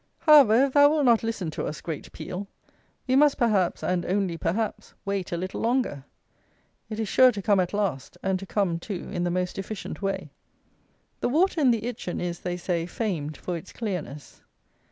However, if thou wilt not listen to us, great Peel, we must, perhaps (and only perhaps), wait a little longer. It is sure to come at last, and to come, too, in the most efficient way. The water in the Itchen is, they say, famed for its clearness.